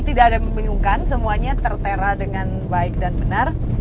tidak ada yang membingungkan semuanya tertera dengan baik dan benar